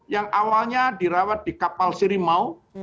yang awalnya di rawat di kapal sirimau